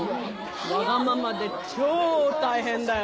わがままで超大変だよ。